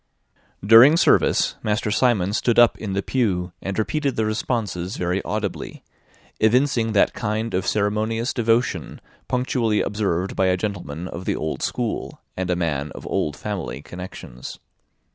During service, Master Simon stood up in the pew, and repeated the responses very audibly; evincing that kind of ceremonious devotion punctually observed by a gentleman of the old school, and a man of old family connections.